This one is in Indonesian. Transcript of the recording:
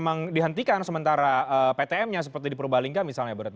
memang dihentikan sementara ptm nya seperti di purbalingga misalnya berarti